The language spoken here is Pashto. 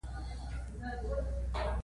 پکورې د یادونو نه جلا نه دي